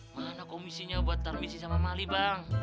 mana komisinya buat tarmisi sama mali bang